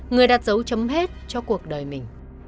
người đặt dấu chấm hết cho cuộc đời mình